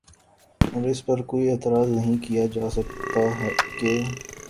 اور اس پر کوئی اعتراض نہیں کیا جا سکتا کہ